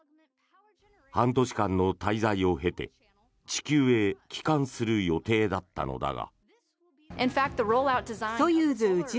半年間の滞在を経て地球へ帰還する予定だったのだが。